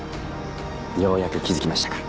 ようやく気づきましたか。